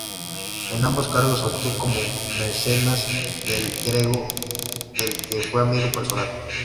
En ambos cargos actuó como mecenas de El Greco, del que fue amigo personal.